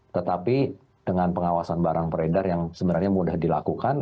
tetapi dengan pengawasan barang beredar yang sebenarnya mudah dilakukan